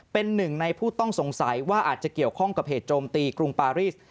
เป็นหนึ่งในผู้ต้องสงสัยว่าอาจจะเกี่ยวข้องกับเหตุโจมตีกรุงปาริส